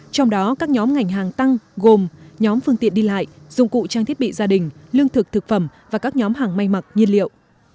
trong đó các nhóm ngành hàng tăng gồm nhóm phương tiện đi lại dụng cụ trang thiết bị gia đình lương thực thực phẩm và các nhóm hàng may mặc nhiên liệu